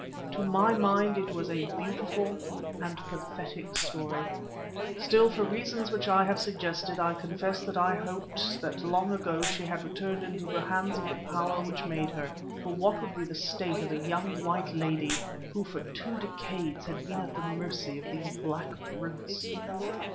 To my mind it was a beautiful and pathetic story. Still, for reasons which I have suggested, I confess that I hoped that long ago she had returned into the hands of the Power which made her, for what would be the state of a young white lady who for two decades had been at the mercy of these black brutes?